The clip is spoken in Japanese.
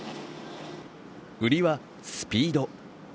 売りは、スピード。